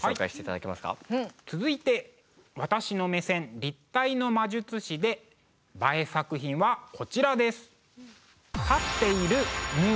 続いて私の目線「立体の魔術師」でＢＡＥ作品はこちらです。